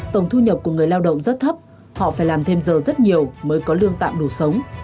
tổng thu nhập của người lao động rất thấp họ phải làm thêm giờ rất nhiều mới có lương tạm đủ sống